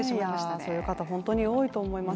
そういう方、本当に多いと思います。